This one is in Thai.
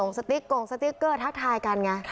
สติ๊กโก่งสติ๊กเกอร์ทักทายกันไง